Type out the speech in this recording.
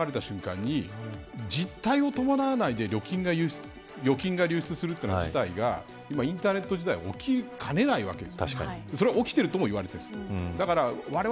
つまり、ばんっとうわさが流れた瞬間に実態を伴わないで預金が流出するという事態がインターネット時代は起きかねないわけです。